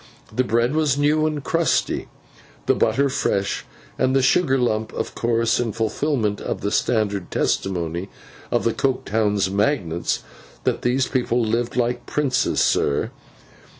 The bread was new and crusty, the butter fresh, and the sugar lump, of course—in fulfilment of the standard testimony of the Coketown magnates, that these people lived like princes, sir.